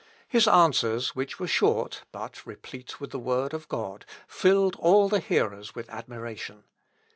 His answers, which were short, but replete with the word of God, filled all the hearers with admiration.